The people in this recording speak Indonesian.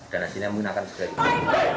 dan hasilnya menggunakan segala ini